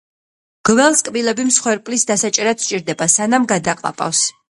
გველს კბილები მსხვერპლის დასაჭერად სჭირდება, სანამ გადაყლაპავს